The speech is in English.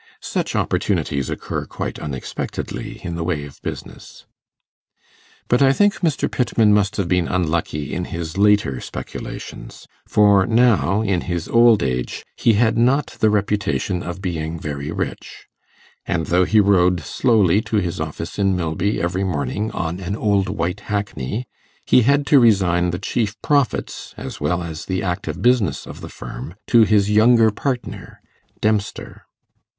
Such opportunities occur quite unexpectedly in the way of business. But I think Mr. Pittman must have been unlucky in his later speculations, for now, in his old age, he had not the reputation of being very rich; and though he rode slowly to his office in Milby every morning on an old white hackney, he had to resign the chief profits, as well as the active business of the firm, to his younger partner, Dempster.